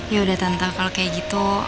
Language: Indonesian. ya udah tentu kalau kayak gitu